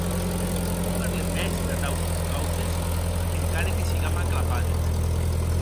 Non parlem mès de taus causes, encara que sigam aclapadi.